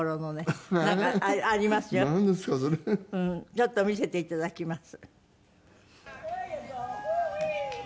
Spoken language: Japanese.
ちょっと見せて頂きます。